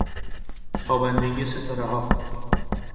تابندگی ستارهها